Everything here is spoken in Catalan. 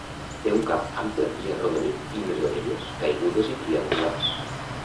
Té un cap ample i arrodonit i unes orelles caigudes i triangulars.